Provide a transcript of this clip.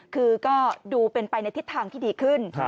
คือก็ดูเป็นไปในทิศทางที่ดีขึ้น